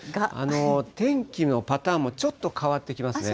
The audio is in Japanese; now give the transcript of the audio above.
天気のパターンもちょっと変わってきますね。